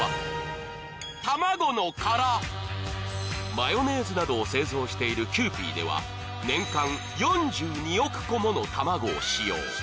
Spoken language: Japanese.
マヨネーズなどを製造しているキユーピーでは年間４２億個もの卵を使用。